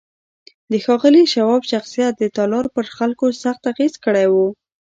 د ښاغلي شواب شخصیت د تالار پر خلکو سخت اغېز کړی و